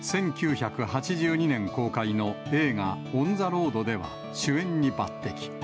１９８２年公開の映画、オン・ザ・ロードでは、主演に抜てき。